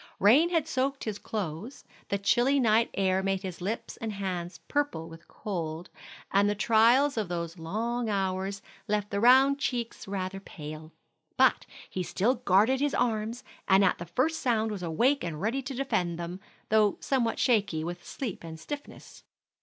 Rain had soaked his clothes, the chilly night air made his lips and hands purple with cold, and the trials of those long hours left the round cheeks rather pale. But he still guarded his arms, and at the first sound was awake and ready to defend them, though somewhat shaky with sleep and stiffness.